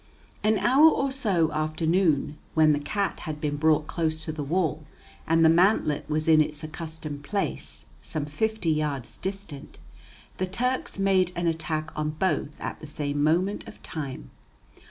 "An hour or so after noon, when the cat had been brought close to the wall, and the mantlet was in its accustomed place, some fifty yards distant, the Turks made an attack on both at the same moment of time.